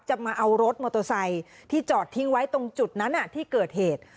มาเอารถมอเตอร์ไซค์ที่จอดทิ้งไว้ตรงจุดนั้นที่เกิดเหตุ